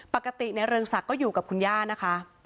ปกติในเรืองศักดิ์ก็อยู่กับคุณย่านะคะ